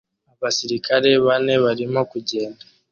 Abasirikare bane barimo kugenda